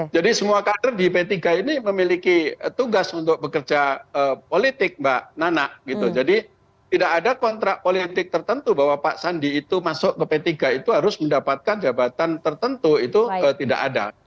jadi semua kader di p tiga ini memiliki tugas untuk bekerja politik mbak nana gitu jadi tidak ada kontrak politik tertentu bahwa pak sandi itu masuk ke p tiga itu harus mendapatkan jabatan tertentu itu tidak ada